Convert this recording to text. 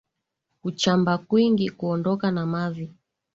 Kuchamba kwingi, kuondoka na mavi